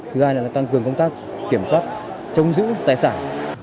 thứ hai là tăng cường công tác kiểm soát chống giữ tài sản